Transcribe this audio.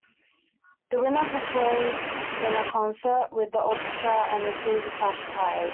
The winner performs in a concert with the orchestra and receives a cash prize.